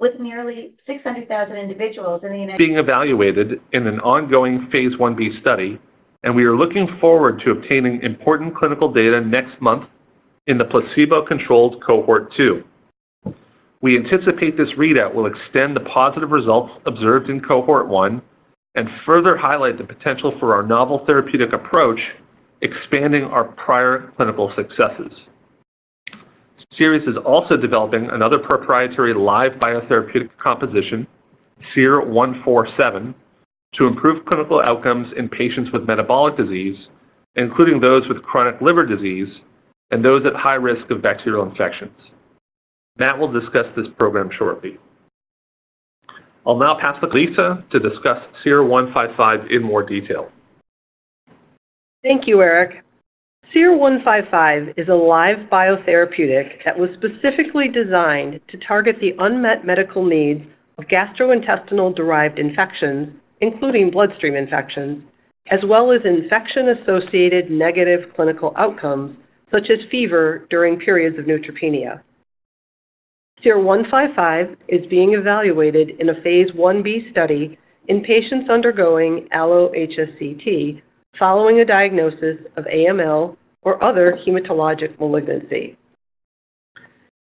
Being evaluated in an ongoing phase Ib study, and we are looking forward to obtaining important clinical data next month in the placebo-controlled Cohort 2. We anticipate this readout will extend the positive results observed in Cohort 1 and further highlight the potential for our novel therapeutic approach, expanding our prior clinical successes. Seres is also developing another proprietary live biotherapeutic composition, SER-147, to improve clinical outcomes in patients with metabolic disease, including those with chronic liver disease and those at high risk of bacterial infections. Matt will discuss this program shortly. I'll now pass to Lisa to discuss SER-155 in more detail. Thank you, Eric. SER-155 is a live biotherapeutic that was specifically designed to target the unmet medical needs of gastrointestinal-derived infections, including bloodstream infections, as well as infection-associated negative clinical outcomes, such as fever during periods of neutropenia. SER-155 is being evaluated in a phase Ib study in patients undergoing allo-HSCT following a diagnosis of AML or other hematologic malignancy.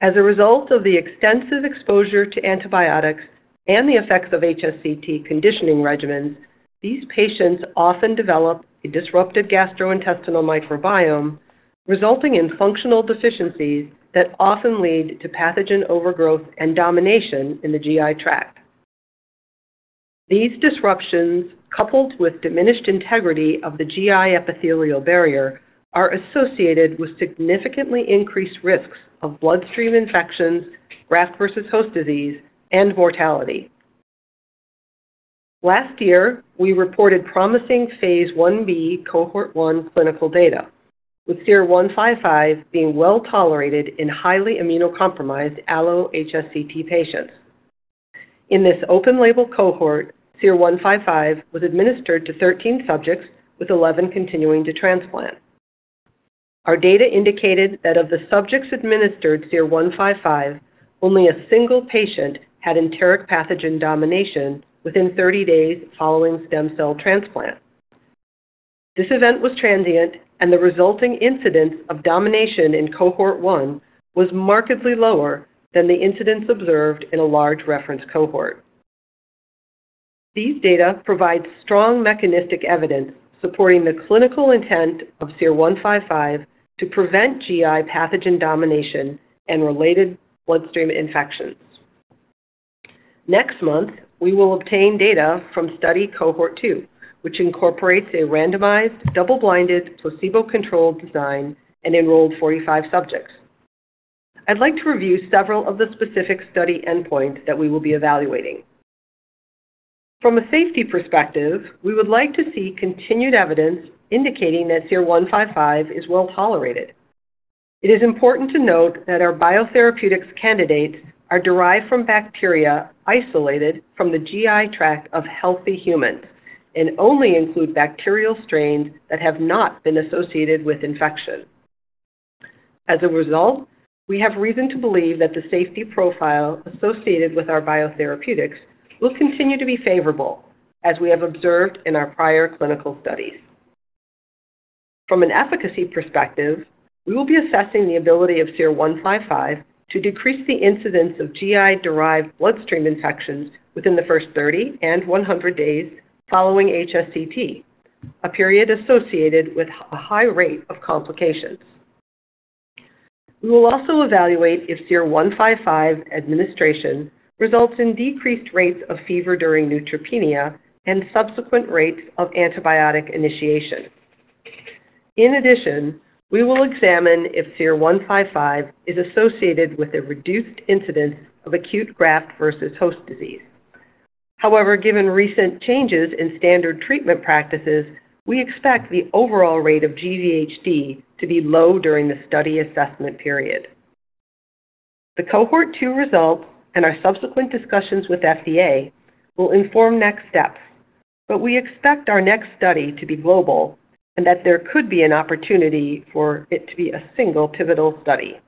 As a result of the extensive exposure to antibiotics and the effects of HSCT conditioning regimens, these patients often develop a disrupted gastrointestinal microbiome, resulting in functional deficiencies that often lead to pathogen overgrowth and domination in the GI tract. These disruptions, coupled with diminished integrity of the GI epithelial barrier, are associated with significantly increased risks of bloodstream infections, graft-versus-host disease, and mortality. Last year, we reported promising phase Ib Cohort 1 clinical data, with SER-155 being well tolerated in highly immunocompromised allo-HSCT patients. In this open-label cohort, SER-155 was administered to 13 subjects, with 11 continuing to transplant. Our data indicated that of the subjects administered SER-155, only a single patient had enteric pathogen domination within 30 days following stem cell transplant. This event was transient, and the resulting incidence of domination in Cohort 1 was markedly lower than the incidence observed in a large reference cohort. These data provide strong mechanistic evidence supporting the clinical intent of SER-155 to prevent GI pathogen domination and related bloodstream infections. Next month, we will obtain data from study Cohort 2, which incorporates a randomized, double-blind, placebo-controlled design and enrolled 45 subjects. I'd like to review several of the specific study endpoints that we will be evaluating. From a safety perspective, we would like to see continued evidence indicating that SER-155 is well tolerated. It is important to note that our biotherapeutics candidates are derived from bacteria isolated from the GI tract of healthy humans and only include bacterial strains that have not been associated with infection. As a result, we have reason to believe that the safety profile associated with our biotherapeutics will continue to be favorable, as we have observed in our prior clinical studies. From an efficacy perspective, we will be assessing the ability of SER-155 to decrease the incidence of GI-derived bloodstream infections within the first 30 and 100 days following HSCT, a period associated with a high rate of complications. We will also evaluate if SER-155 administration results in decreased rates of fever during neutropenia and subsequent rates of antibiotic initiation. In addition, we will examine if SER-155 is associated with a reduced incidence of acute graft-versus-host disease. However, given recent changes in standard treatment practices, we expect the overall rate of GvHD to be low during the study assessment period. The Cohort 2 results and our subsequent discussions with FDA will inform next steps, but we expect our next study to be global and that there could be an opportunity for it to be a single pivotal study.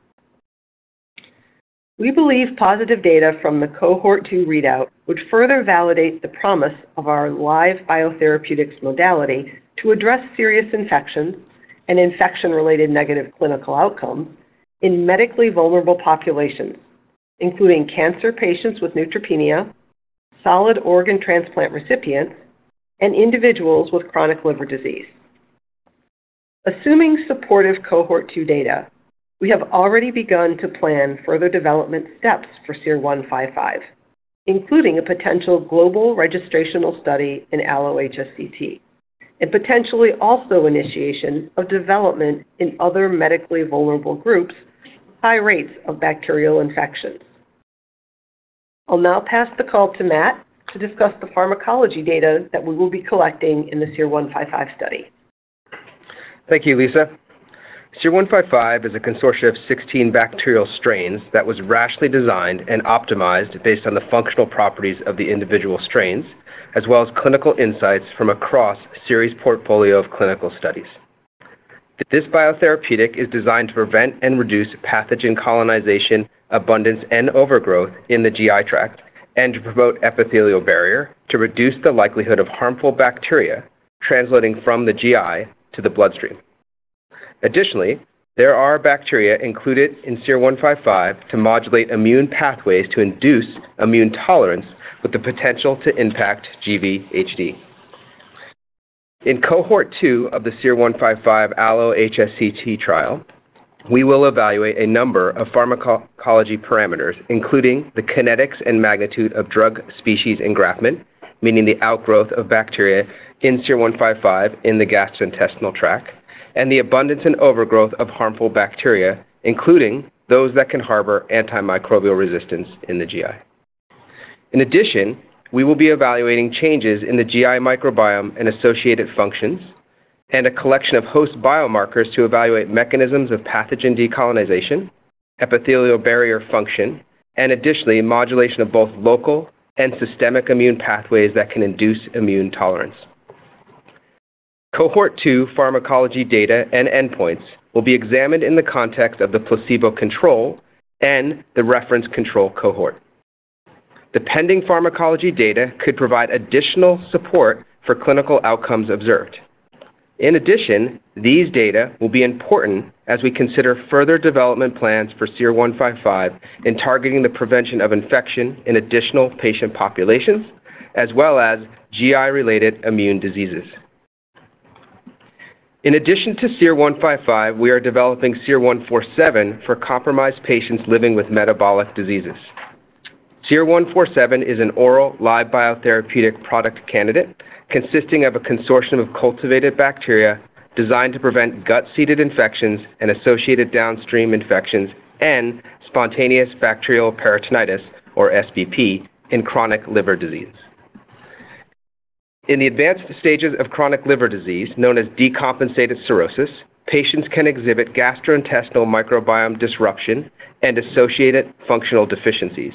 We believe positive data from the Cohort 2 readout would further validate the promise of our live biotherapeutics modality to address serious infections and infection-related negative clinical outcomes in medically vulnerable populations, including cancer patients with neutropenia, solid organ transplant recipients, and individuals with chronic liver disease. Assuming supportive Cohort 2 data, we have already begun to plan further development steps for SER-155, including a potential global registrational study in allo-HSCT and potentially also initiation of development in other medically vulnerable groups, high rates of bacterial infections. I'll now pass the call to Matt to discuss the pharmacology data that we will be collecting in the SER-155 study. Thank you, Lisa. SER-155 is a consortium of 16 bacterial strains that was rationally designed and optimized based on the functional properties of the individual strains, as well as clinical insights from across Seres' portfolio of clinical studies. This biotherapeutic is designed to prevent and reduce pathogen colonization, abundance, and overgrowth in the GI tract, and to promote epithelial barrier to reduce the likelihood of harmful bacteria translating from the GI to the bloodstream. Additionally, there are bacteria included in SER-155 to modulate immune pathways to induce immune tolerance with the potential to impact GvHD. In Cohort 2 of the SER-155 allo-HSCT trial, we will evaluate a number of pharmacology parameters, including the kinetics and magnitude of drug species engraftment, meaning the outgrowth of bacteria in SER-155 in the gastrointestinal tract, and the abundance and overgrowth of harmful bacteria, including those that can harbor antimicrobial resistance in the GI. In addition, we will be evaluating changes in the GI microbiome and associated functions, and a collection of host biomarkers to evaluate mechanisms of pathogen decolonization, epithelial barrier function, and additionally, modulation of both local and systemic immune pathways that can induce immune tolerance. Cohort 2 pharmacology data and endpoints will be examined in the context of the placebo control and the reference control cohort. The pending pharmacology data could provide additional support for clinical outcomes observed. In addition, these data will be important as we consider further development plans for SER-155 in targeting the prevention of infection in additional patient populations, as well as GI-related immune diseases. In addition to SER-155, we are developing SER-147 for compromised patients living with metabolic diseases. SER-147 is an oral live biotherapeutic product candidate consisting of a consortium of cultivated bacteria designed to prevent gut-seeded infections and associated downstream infections and spontaneous bacterial peritonitis, or SBP, in chronic liver disease. In the advanced stages of chronic liver disease, known as decompensated cirrhosis, patients can exhibit gastrointestinal microbiome disruption and associated functional deficiencies.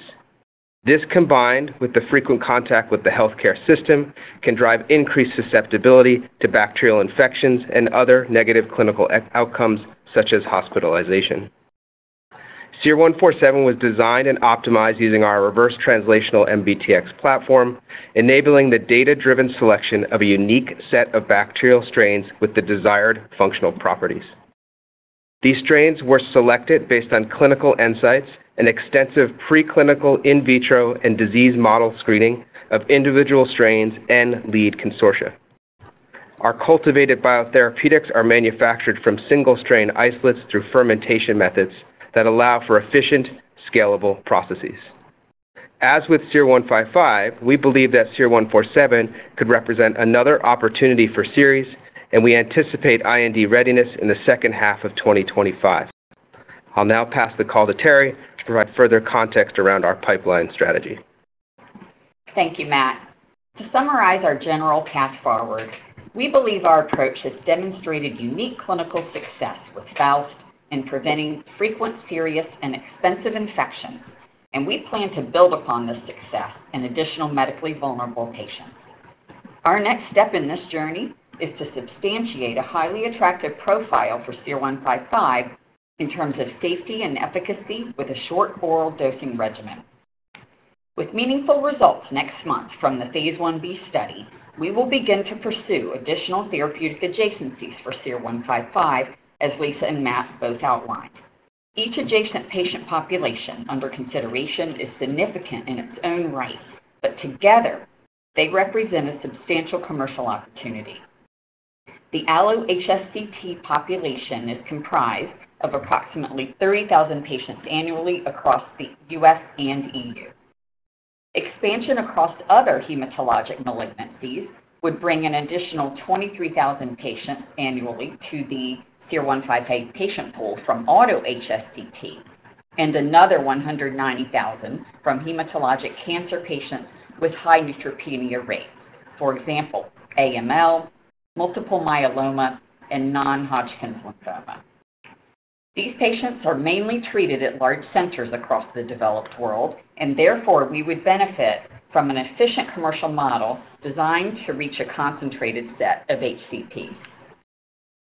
This, combined with the frequent contact with the healthcare system, can drive increased susceptibility to bacterial infections and other negative clinical outcomes, such as hospitalization. SER-147 was designed and optimized using our reverse translational MbTx platform, enabling the data-driven selection of a unique set of bacterial strains with the desired functional properties. These strains were selected based on clinical insights and extensive preclinical in vitro and disease model screening of individual strains and lead consortia. Our cultivated biotherapeutics are manufactured from single-strain isolates through fermentation methods that allow for efficient, scalable processes. As with SER-155, we believe that SER-147 could represent another opportunity for Seres, and we anticipate IND readiness in the second half of 2025. I'll now pass the call to Terri to provide further context around our pipeline strategy. Thank you, Matt. To summarize our general path forward, we believe our approach has demonstrated unique clinical success with spores in preventing frequent, serious, and expensive infections, and we plan to build upon this success in additional medically vulnerable patients. Our next step in this journey is to substantiate a highly attractive profile for SER-155 in terms of safety and efficacy with a short oral dosing regimen. With meaningful results next month from the phase Ib study, we will begin to pursue additional therapeutic adjacencies for SER-155, as Lisa and Matt both outlined. Each adjacent patient population under consideration is significant in its own right, but together they represent a substantial commercial opportunity. The allo-HSCT population is comprised of approximately 30,000 patients annually across the U.S. and EU. Expansion across other hematologic malignancies would bring an additional 23,000 patients annually to the SER-155 patient pool from allo-HSCT, and another 190,000 from hematologic cancer patients with high neutropenia rates. For example, AML, multiple myeloma, and non-Hodgkin's lymphoma. These patients are mainly treated at large centers across the developed world, and therefore, we would benefit from an efficient commercial model designed to reach a concentrated set of HCPs.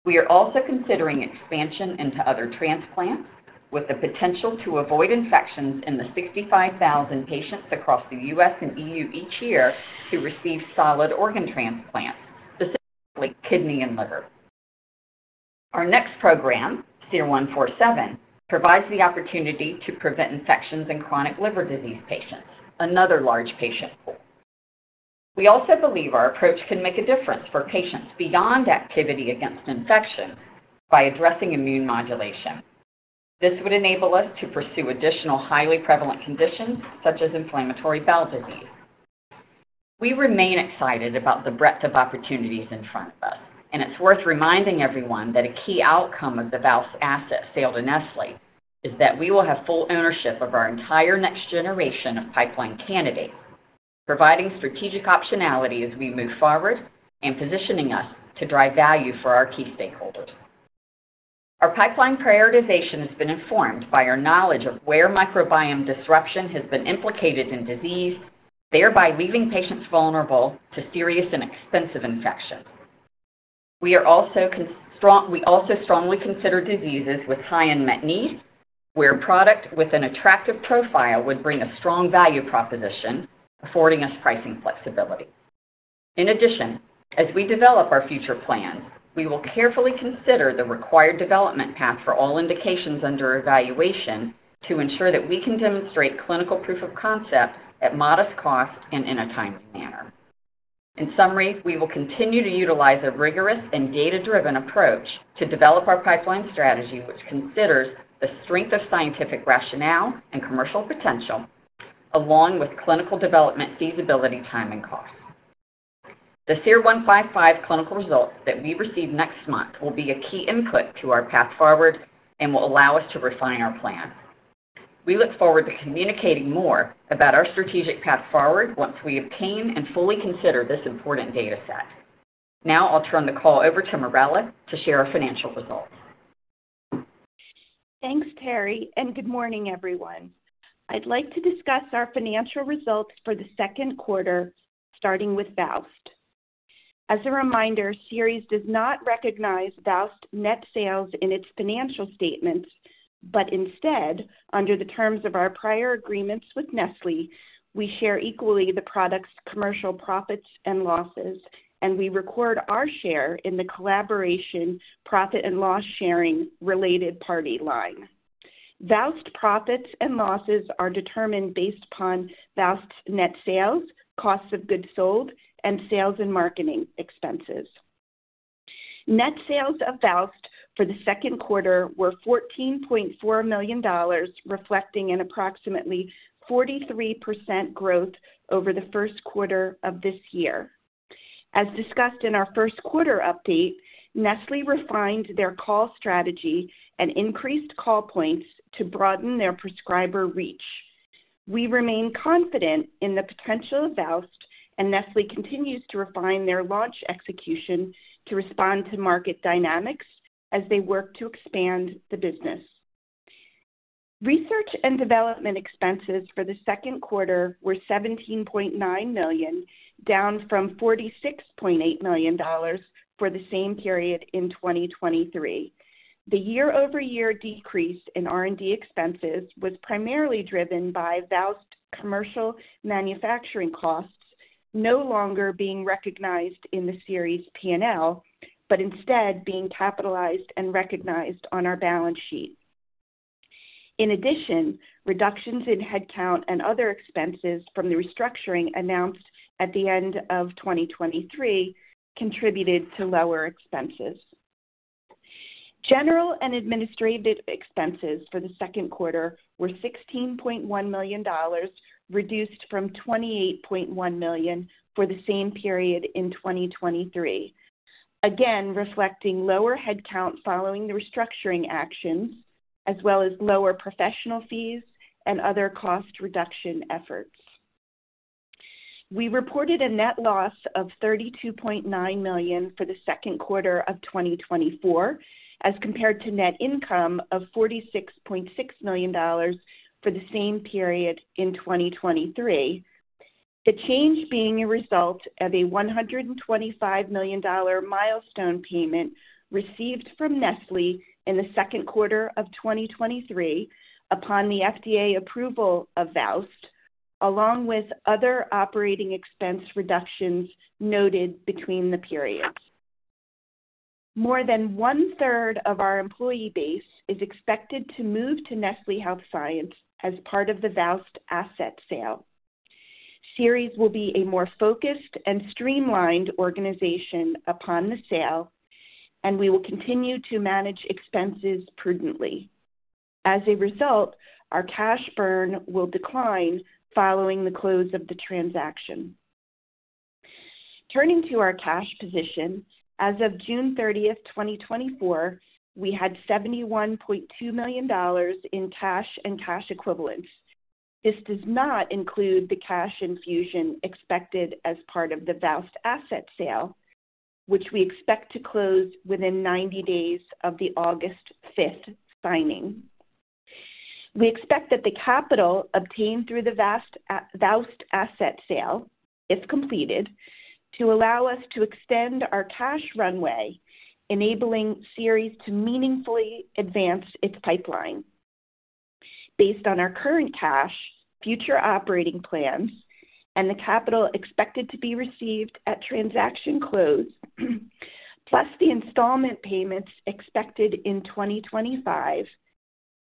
We are also considering expansion into other transplants, with the potential to avoid infections in the 65,000 patients across the US and EU each year who receive solid organ transplants, specifically kidney and liver. Our next program, SER-147, provides the opportunity to prevent infections in chronic liver disease patients, another large patient pool. We also believe our approach can make a difference for patients beyond activity against infection by addressing immune modulation. This would enable us to pursue additional highly prevalent conditions, such as inflammatory bowel disease. We remain excited about the breadth of opportunities in front of us, and it's worth reminding everyone that a key outcome of the VOWST asset sale to Nestlé is that we will have full ownership of our entire next generation of pipeline candidates, providing strategic optionality as we move forward and positioning us to drive value for our key stakeholders. Our pipeline prioritization has been informed by our knowledge of where microbiome disruption has been implicated in disease, thereby leaving patients vulnerable to serious and expensive infections. We also strongly consider diseases with high unmet need, where a product with an attractive profile would bring a strong value proposition, affording us pricing flexibility. In addition, as we develop our future plan, we will carefully consider the required development path for all indications under evaluation to ensure that we can demonstrate clinical proof of concept at modest cost and in a timely manner. In summary, we will continue to utilize a rigorous and data-driven approach to develop our pipeline strategy, which considers the strength of scientific rationale and commercial potential, along with clinical development, feasibility, time, and cost. The SER-155 clinical results that we receive next month will be a key input to our path forward and will allow us to refine our plan. We look forward to communicating more about our strategic path forward once we obtain and fully consider this important data set. Now I'll turn the call over to Marella to share our financial results. Thanks, Terri, and good morning, everyone. I'd like to discuss our financial results for the second quarter, starting with VOWST. As a reminder, Seres does not recognize VOWST net sales in its financial statements, but instead, under the terms of our prior agreements with Nestlé, we share equally the product's commercial profits and losses, and we record our share in the collaboration, profit and loss sharing related party line. VOWST profits and losses are determined based upon VOWST's net sales, costs of goods sold, and sales and marketing expenses. Net sales of VOWST for the second quarter were $14.4 million, reflecting an approximately 43% growth over the first quarter of this year. As discussed in our first quarter update, Nestlé refined their call strategy and increased call points to broaden their prescriber reach. We remain confident in the potential of VOWST, and Nestlé continues to refine their launch execution to respond to market dynamics as they work to expand the business. Research and development expenses for the second quarter were $17.9 million, down from $46.8 million for the same period in 2023. The year-over-year decrease in R&D expenses was primarily driven by VOWST commercial manufacturing costs no longer being recognized in the Seres P&L, but instead being capitalized and recognized on our balance sheet. In addition, reductions in headcount and other expenses from the restructuring announced at the end of 2023 contributed to lower expenses. General and administrative expenses for the second quarter were $16.1 million, reduced from $28.1 million for the same period in 2023. Again, reflecting lower headcount following the restructuring actions, as well as lower professional fees and other cost reduction efforts. We reported a net loss of $32.9 million for the second quarter of 2024, as compared to net income of $46.6 million for the same period in 2023. The change being a result of a $125 million milestone payment received from Nestlé in the second quarter of 2023 upon the FDA approval of VOWST, along with other operating expense reductions noted between the periods. More than one-third of our employee base is expected to move to Nestlé Health Science as part of the VOWST asset sale. Seres will be a more focused and streamlined organization upon the sale, and we will continue to manage expenses prudently. As a result, our cash burn will decline following the close of the transaction. Turning to our cash position, as of June 30th, 2024, we had $71.2 million in cash and cash equivalents. This does not include the cash infusion expected as part of the VOWST asset sale, which we expect to close within 90 days of the August 5th signing. We expect that the capital obtained through the VOWST asset sale, if completed, to allow us to extend our cash runway, enabling Seres to meaningfully advance its pipeline. Based on our current cash, future operating plans, and the capital expected to be received at transaction close, plus the installment payments expected in 2025,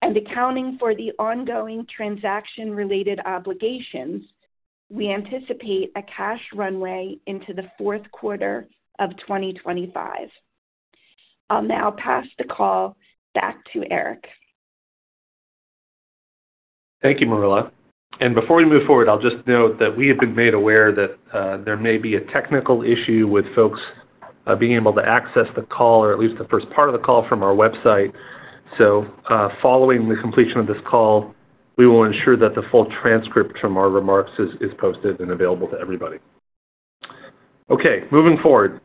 and accounting for the ongoing transaction-related obligations, we anticipate a cash runway into the fourth quarter of 2025. I'll now pass the call back to Eric. Thank you, Marella. Before we move forward, I'll just note that we have been made aware that there may be a technical issue with folks being able to access the call, or at least the first part of the call, from our website. So, following the completion of this call, we will ensure that the full transcript from our remarks is posted and available to everybody. Okay, moving forward.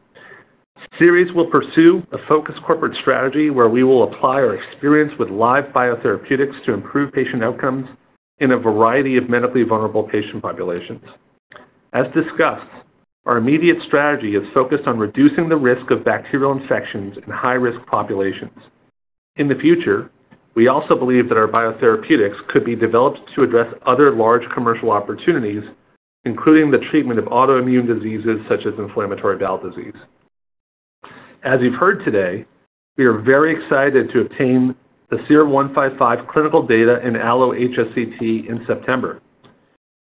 Seres will pursue a focused corporate strategy where we will apply our experience with live biotherapeutics to improve patient outcomes in a variety of medically vulnerable patient populations. As discussed, our immediate strategy is focused on reducing the risk of bacterial infections in high-risk populations. In the future, we also believe that our biotherapeutics could be developed to address other large commercial opportunities, including the treatment of autoimmune diseases such as inflammatory bowel disease. As you've heard today, we are very excited to obtain the SER-155 clinical data in allo-HSCT in September.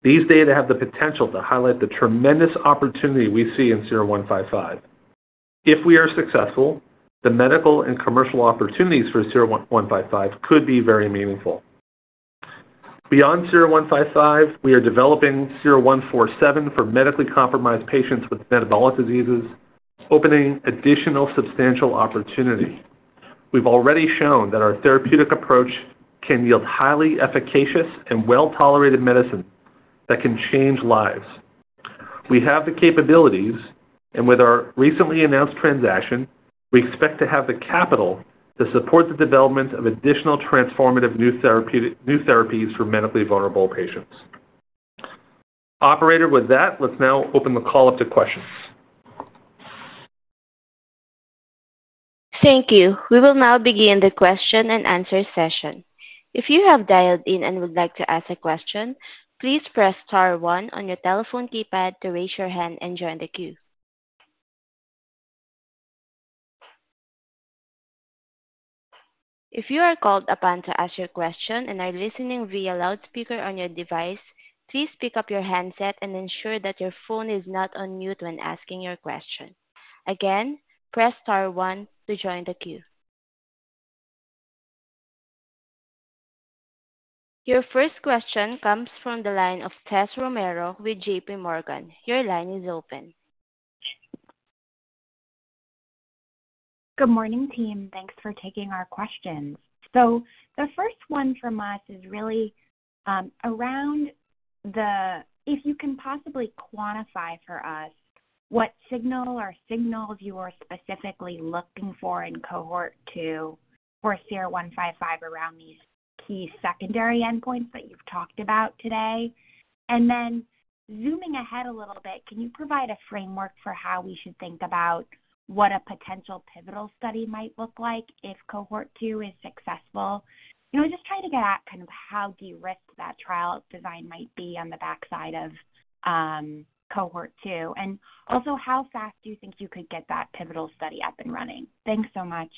These data have the potential to highlight the tremendous opportunity we see in SER-155. If we are successful, the medical and commercial opportunities for SER-155 could be very meaningful. Beyond SER-155, we are developing SER-147 for medically compromised patients with metabolic diseases, opening additional substantial opportunity. We've already shown that our therapeutic approach can yield highly efficacious and well-tolerated medicine that can change lives. We have the capabilities, and with our recently announced transaction, we expect to have the capital to support the development of additional transformative new therapies for medically vulnerable patients. Operator, with that, let's now open the call up to questions. Thank you. We will now begin the question-and-answer session. If you have dialed in and would like to ask a question, please press star one on your telephone keypad to raise your hand and join the queue. If you are called upon to ask your question and are listening via loudspeaker on your device, please pick up your handset and ensure that your phone is not on mute when asking your question. Again, press star one to join the queue. Your first question comes from the line of Tessa Romero with J.P. Morgan. Your line is open. Good morning, team. Thanks for taking our questions. So the first one from us is really around. If you can possibly quantify for us what signal or signals you are specifically looking for in Cohort 2 for SER-155 around these key secondary endpoints that you've talked about today? And then zooming ahead a little bit, can you provide a framework for how we should think about what a potential pivotal study might look like if Cohort 2 is successful? You know, just trying to get at kind of how de-risked that trial design might be on the backside of Cohort 2. And also, how fast do you think you could get that pivotal study up and running? Thanks so much.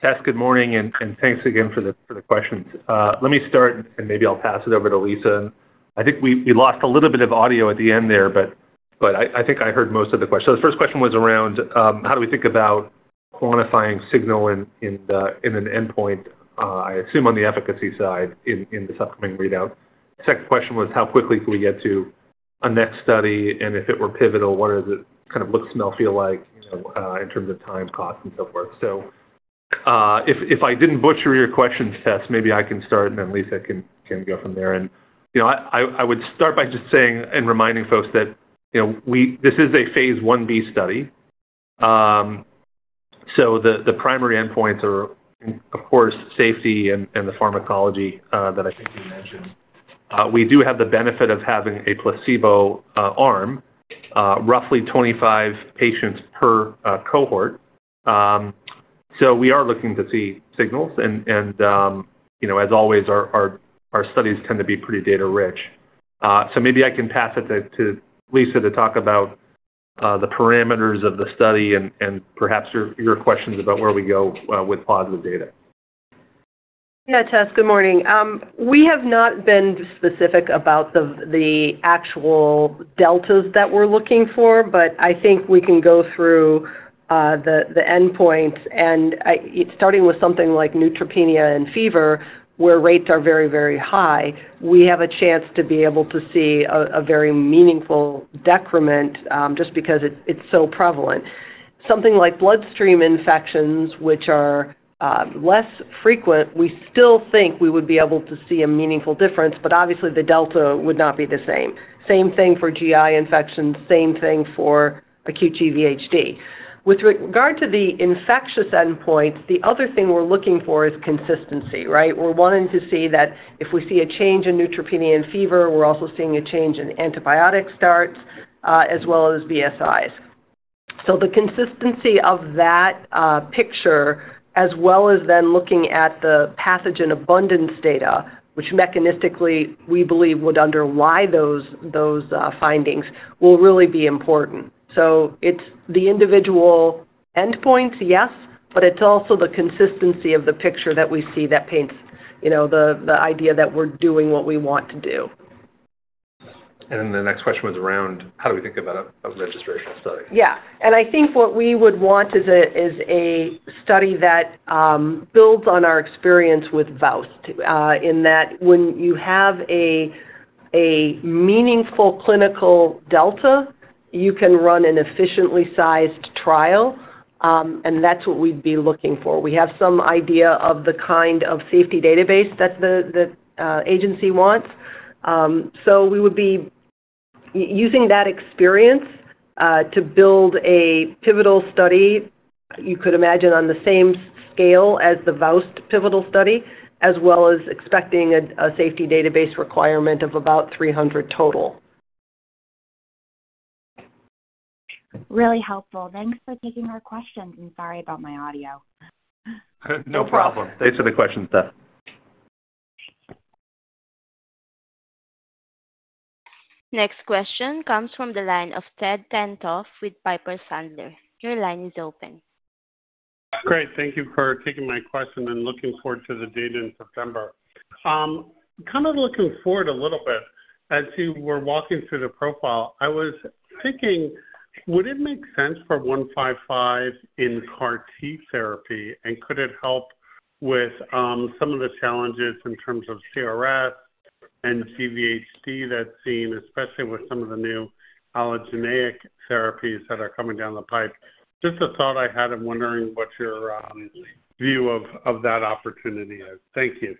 Tess, good morning, and thanks again for the questions. Let me start, and maybe I'll pass it over to Lisa. I think we lost a little bit of audio at the end there, but I think I heard most of the question. So the first question was around how do we think about quantifying signal in an endpoint, I assume on the efficacy side in this upcoming readout. Second question was, how quickly can we get to a next study? And if it were pivotal, what does it kind of look, smell, feel like in terms of time, cost, and so forth? So, if I didn't butcher your questions, Tess, maybe I can start, and then Lisa can go from there. You know, I would start by just saying and reminding folks that, you know, we, this is a phase Ib study. So the primary endpoints are, of course, safety and the pharmacology that I think you mentioned. We do have the benefit of having a placebo arm, roughly 25 patients per cohort. So we are looking to see signals and, you know, as always, our studies tend to be pretty data-rich. So maybe I can pass it to Lisa to talk about the parameters of the study and perhaps your questions about where we go with positive data. Yeah, Tess, good morning. We have not been specific about the actual deltas that we're looking for, but I think we can go through the endpoints. Starting with something like neutropenia and fever, where rates are very, very high, we have a chance to be able to see a very meaningful decrement, just because it's so prevalent. Something like bloodstream infections, which are less frequent, we still think we would be able to see a meaningful difference, but obviously, the delta would not be the same. Same thing for GI infections, same thing for acute GvHD. With regard to the infectious endpoints, the other thing we're looking for is consistency, right? We're wanting to see that if we see a change in neutropenia and fever, we're also seeing a change in antibiotic starts, as well as BSIs. So the consistency of that picture, as well as then looking at the pathogen abundance data, which mechanistically, we believe, would underlie those findings, will really be important. So it's the individual endpoints, yes, but it's also the consistency of the picture that we see that paints, you know, the idea that we're doing what we want to do. The next question was around how do we think about a registrational study? Yeah. And I think what we would want is a study that builds on our experience with VOWST. In that when you have a meaningful clinical delta, you can run an efficiently sized trial. And that's what we'd be looking for. We have some idea of the kind of safety database that the agency wants. So we would be using that experience to build a pivotal study, you could imagine, on the same scale as the VOWST pivotal study, as well as expecting a safety database requirement of about 300 total. Really helpful. Thanks for taking our questions, and sorry about my audio. No problem. Thanks for the question, Tess. Next question comes from the line of Ted Tenthoff with Piper Sandler. Your line is open. Great. Thank you for taking my question, and looking forward to the data in September. Kind of looking forward a little bit, as you were walking through the profile, I was thinking, would it make sense for 155 in CAR T therapy, and could it help with some of the challenges in terms of CRS and GvHD that's seen, especially with some of the new allogeneic therapies that are coming down the pipe? Just a thought I had. I'm wondering what your view of that opportunity is. Thank you.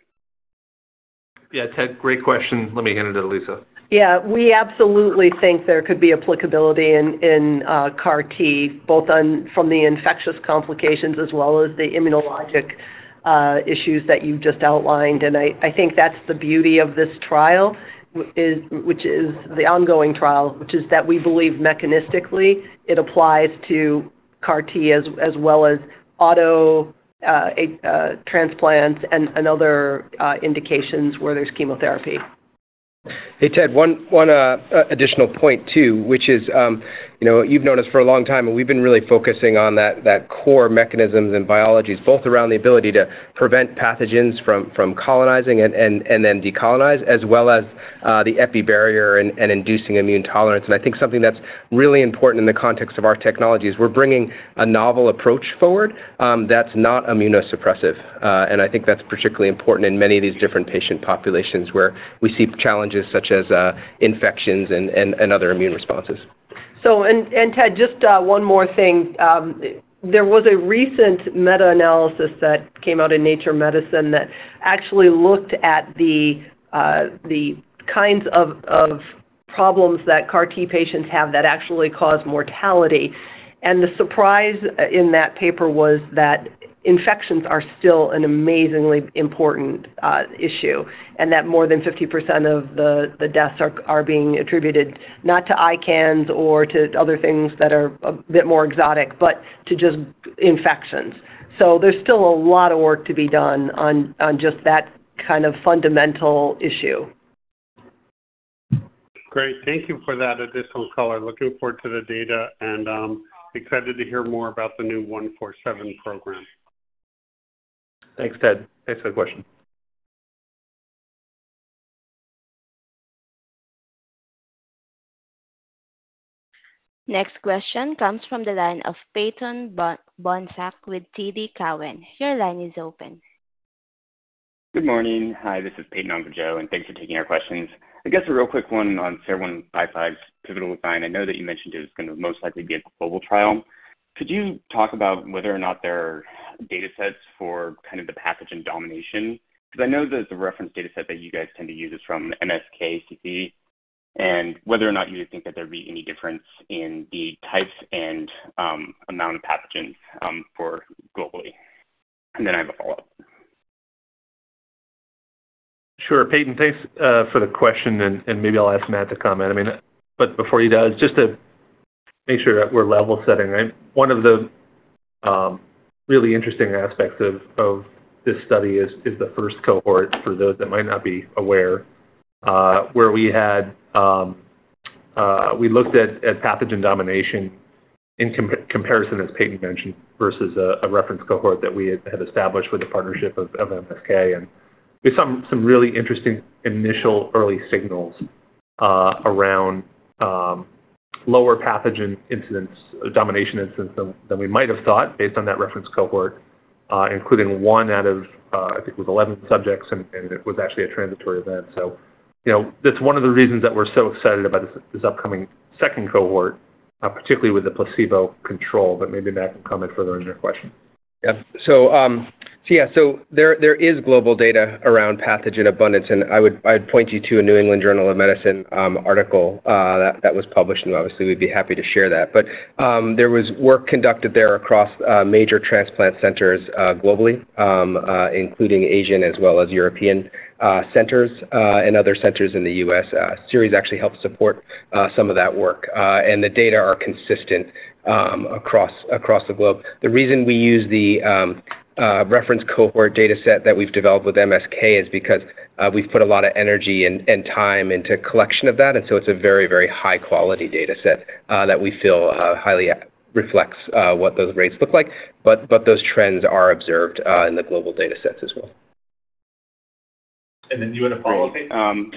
Yeah, Ted, great question. Let me hand it to Lisa. Yeah, we absolutely think there could be applicability in CAR T, both from the infectious complications as well as the immunologic issues that you just outlined. And I think that's the beauty of this trial, which is the ongoing trial, which is that we believe mechanistically, it applies to CAR T, as well as auto transplants and other indications where there's chemotherapy. Hey, Ted, one additional point, too, which is, you know, you've known us for a long time, and we've been really focusing on that core mechanisms and biologies, both around the ability to prevent pathogens from colonizing and then decolonize, as well as the epi barrier and inducing immune tolerance. And I think something that's really important in the context of our technology is we're bringing a novel approach forward that's not immunosuppressive. And I think that's particularly important in many of these different patient populations, where we see challenges such as infections and other immune responses. So, Ted, just one more thing. There was a recent meta-analysis that came out in Nature Medicine that actually looked at the kinds of problems that CAR T patients have that actually cause mortality. And the surprise in that paper was that infections are still an amazingly important issue, and that more than 50% of the deaths are being attributed, not to ICANS or to other things that are a bit more exotic, but to just infections. So there's still a lot of work to be done on just that kind of fundamental issue. Great, thank you for that additional color. Looking forward to the data, and excited to hear more about the new SER-147 program. Thanks, Ted. Thanks for the question. Next question comes from the line of Peyton Bohnsack with TD Cowen. Your line is open. Good morning. Hi, this is Peyton Bohnsack, and thanks for taking our questions. I guess a real quick one on SER-155's pivotal design. I know that you mentioned it was gonna most likely be a global trial. Could you talk about whether or not there are data sets for kind of the pathogen domination? Because I know that the reference data set that you guys tend to use is from MSK, and whether or not you would think that there'd be any difference in the types and amount of pathogens for globally. And then I have a follow-up. Sure, Peyton. Thanks, for the question, and maybe I'll ask Matt to comment. I mean, but before he does, just to make sure that we're level setting, right? One of the really interesting aspects of this study is the first cohort for those that might not be aware, where we looked at pathogen domination in comparison, as Peyton mentioned, versus a reference cohort that we had established with the partnership of MSK. And there's some really interesting initial early signals around lower pathogen incidence domination incidence than we might have thought, based on that reference cohort, including one out of, I think it was 11 subjects, and it was actually a transitory event. So, you know, that's one of the reasons that we're so excited about this, this upcoming second cohort, particularly with the placebo control. But maybe Matt can comment further on your question. Yeah. So, so yeah, so there, there is global data around pathogen abundance, and I would—I'd point you to a New England Journal of Medicine article, that, that was published, and obviously, we'd be happy to share that. But, there was work conducted there across, major transplant centers, globally, including Asian as well as European, centers, and other centers in the U.S. Seres actually helped support, some of that work. And the data are consistent, across, across the globe. The reason we use the reference cohort data set that we've developed with MSK is because we've put a lot of energy and time into collection of that, and so it's a very, very high-quality data set that we feel highly reflects what those rates look like. But those trends are observed in the global data sets as well. And then do you want to follow up, Peyton?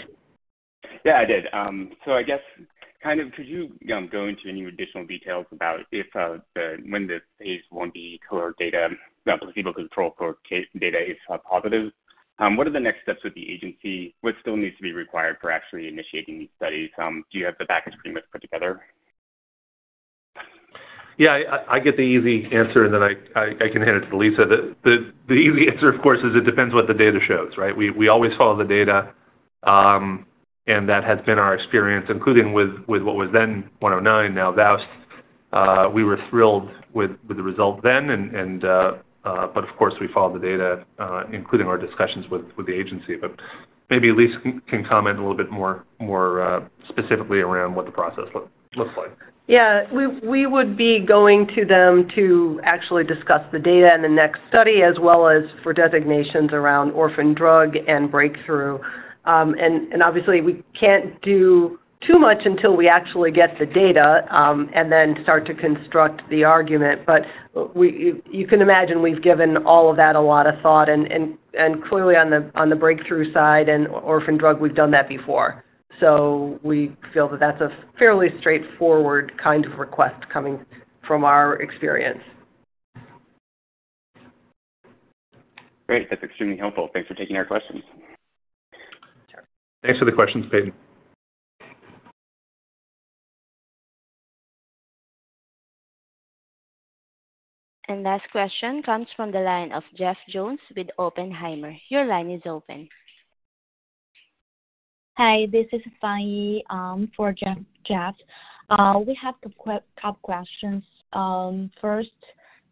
Yeah, I did. I guess, kind of, could you go into any additional details about when the phase Ib cohort data, the placebo-controlled cohort case data is positive? What are the next steps with the agency? What still needs to be required for actually initiating these studies? Do you have the BARDA agreement put together? Yeah, I get the easy answer, and then I can hand it to Lisa. The easy answer, of course, is it depends what the data shows, right? We always follow the data, and that has been our experience, including with what was then 109, now VOWST. We were thrilled with the result then, and, but of course, we followed the data, including our discussions with the agency. But maybe Lisa can comment a little bit more, specifically around what the process looks like. Yeah. We would be going to them to actually discuss the data and the next study, as well as for designations around orphan drug and breakthrough. And obviously, we can't do too much until we actually get the data, and then start to construct the argument. But you can imagine we've given all of that a lot of thought and clearly on the breakthrough side and orphan drug, we've done that before. So we feel that that's a fairly straightforward kind of request coming from our experience. Great. That's extremely helpful. Thanks for taking our questions. Thanks for the questions, Peyton. Last question comes from the line of Jeff Jones with Oppenheimer. Your line is open. Hi, this is Fani for Jeff. We have a couple questions. First,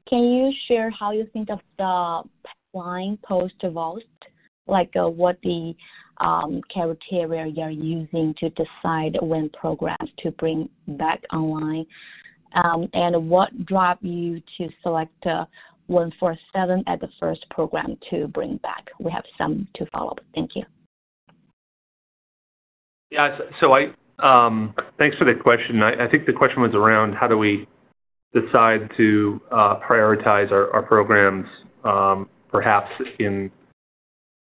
can you share how you think of the pipeline post VOWST? Like, what the criteria you're using to decide when programs to bring back online? And what drive you to select SER-147 as the first program to bring back? We have some to follow up. Thank you. Yeah, so, thanks for the question. I think the question was around how do we decide to prioritize our programs, perhaps in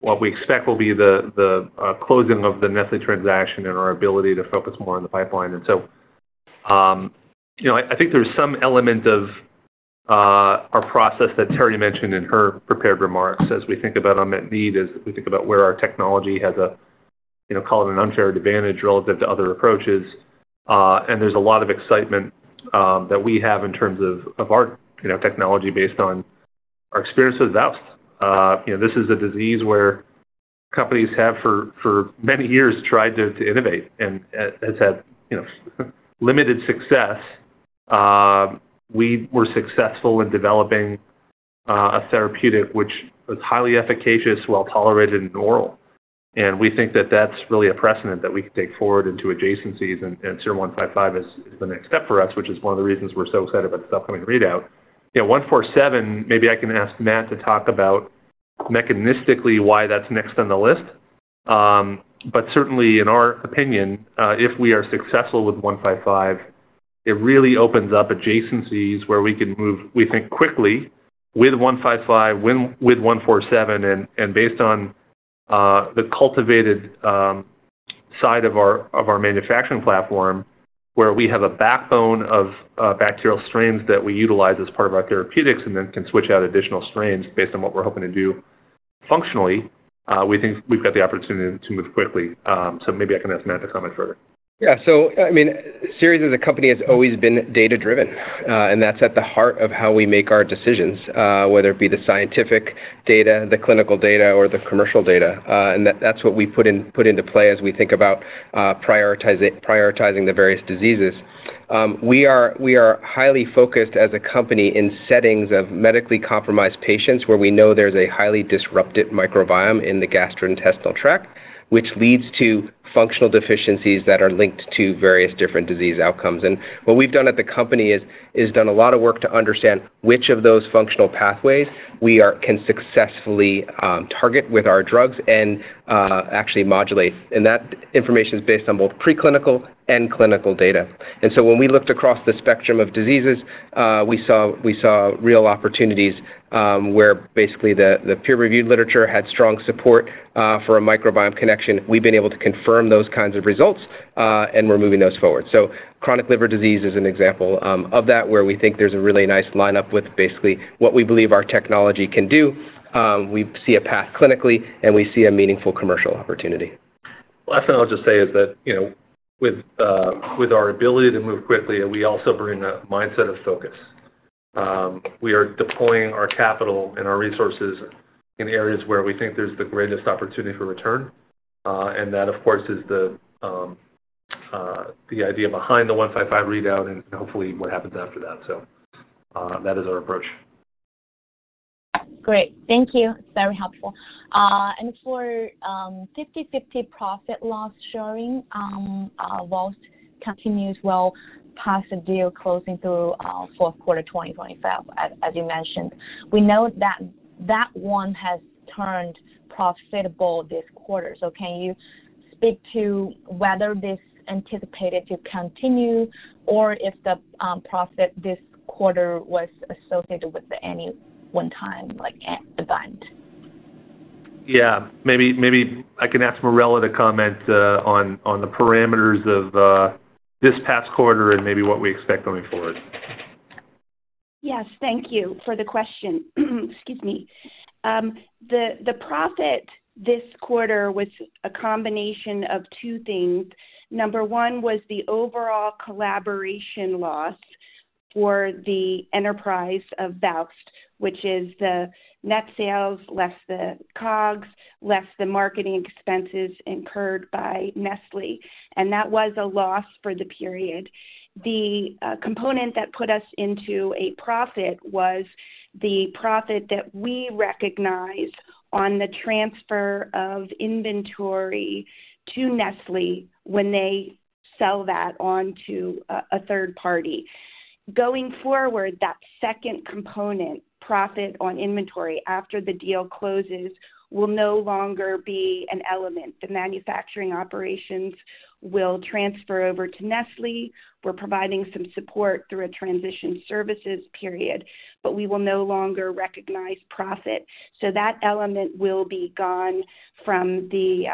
what we expect will be the closing of the Nestlé transaction and our ability to focus more on the pipeline. And so, you know, I think there's some element of our process that Terri mentioned in her prepared remarks. As we think about unmet need, as we think about where our technology has a, you know, call it an unfair advantage relative to other approaches, and there's a lot of excitement that we have in terms of our technology based on our experience with VOWST. You know, this is a disease where companies have, for many years, tried to innovate and has had limited success. We were successful in developing a therapeutic which was highly efficacious, well tolerated, and oral. We think that that's really a precedent that we can take forward into adjacencies, and SER-155 is the next step for us, which is one of the reasons we're so excited about this upcoming readout. You know, SER-147, maybe I can ask Matt to talk about mechanistically why that's next on the list. But certainly, in our opinion, if we are successful with SER-155, it really opens up adjacencies where we can move, we think quickly with SER-155, with SER-147. Based on the cultivated side of our manufacturing platform, where we have a backbone of bacterial strains that we utilize as part of our therapeutics, and then can switch out additional strains based on what we're hoping to do functionally, we think we've got the opportunity to move quickly. So maybe I can ask Matt to comment further. Yeah. So I mean, Seres as a company has always been data-driven, and that's at the heart of how we make our decisions, whether it be the scientific data, the clinical data, or the commercial data. And that's what we put into play as we think about prioritizing the various diseases. We are highly focused as a company in settings of medically compromised patients, where we know there's a highly disrupted microbiome in the gastrointestinal tract, which leads to functional deficiencies that are linked to various different disease outcomes. And what we've done at the company is done a lot of work to understand which of those functional pathways we can successfully target with our drugs and actually modulate. And that information is based on both preclinical and clinical data. When we looked across the spectrum of diseases, we saw real opportunities, where basically the peer-reviewed literature had strong support for a microbiome connection. We've been able to confirm those kinds of results, and we're moving those forward. Chronic liver disease is an example of that, where we think there's a really nice lineup with basically what we believe our technology can do. We see a path clinically, and we see a meaningful commercial opportunity. Last thing I'll just say is that, you know, with, with our ability to move quickly, we also bring a mindset of focus. We are deploying our capital and our resources in areas where we think there's the greatest opportunity for return, and that, of course, is the, the idea behind the 155 readout and hopefully what happens after that. So, that is our approach. Great. Thank you. It's very helpful. And for 50/50 profit loss sharing, VOWST continues well past the deal closing through fourth quarter 2025, as you mentioned. We know that one has turned profitable this quarter. So can you speak to whether this anticipated to continue, or if the profit this quarter was associated with any one-time, like, event? Yeah. Maybe, maybe I can ask Marella to comment on the parameters of this past quarter and maybe what we expect going forward. Yes, thank you for the question. Excuse me. The profit this quarter was a combination of two things. Number one was the overall collaboration loss for the enterprise of VOWST, which is the net sales, less the COGS, less the marketing expenses incurred by Nestlé, and that was a loss for the period. The component that put us into a profit was the profit that we recognized on the transfer of inventory to Nestlé when they sell that on to a third party. Going forward, that second component, profit on inventory, after the deal closes, will no longer be an element. The manufacturing operations will transfer over to Nestlé. We're providing some support through a transition services period, but we will no longer recognize profit. So that element will be gone from the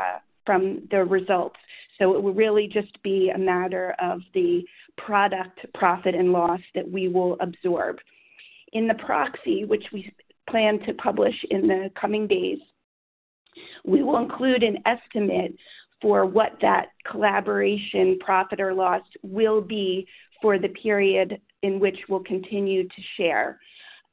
results. So it will really just be a matter of the product profit and loss that we will absorb. In the proxy, which we plan to publish in the coming days, we will include an estimate for what that collaboration, profit or loss, will be for the period in which we'll continue to share.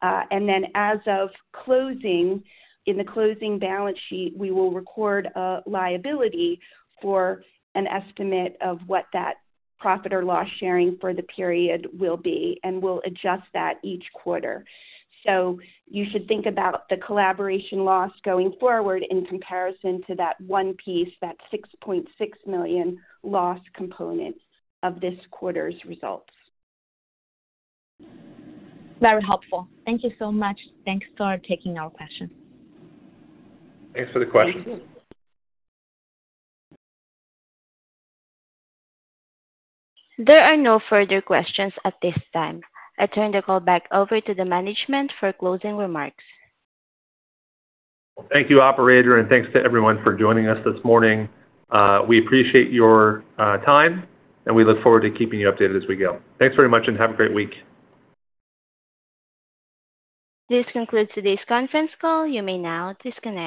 And then as of closing, in the closing balance sheet, we will record a liability for an estimate of what that profit or loss sharing for the period will be, and we'll adjust that each quarter. So you should think about the collaboration loss going forward in comparison to that one piece, that $6.6 million loss component of this quarter's results. Very helpful. Thank you so much. Thanks for taking our question. Thanks for the question. There are no further questions at this time. I turn the call back over to the management for closing remarks. Thank you, operator, and thanks to everyone for joining us this morning. We appreciate your time, and we look forward to keeping you updated as we go. Thanks very much, and have a great week. This concludes today's conference call. You may now disconnect.